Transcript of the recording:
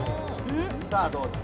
さあどうだ？